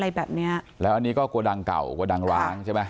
อะไรแบบเนี้ยแล้วอันนี้ก็กลัวดังเก่ากลัวดังร้างใช่ไหม